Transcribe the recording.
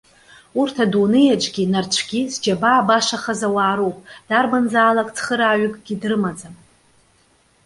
Урҭ, адунеи аҿгьы, нарцәгьы, зџьабаа башахаз ауаа роуп. Дарбанзаалак цхырааҩыкгьы дрымаӡам.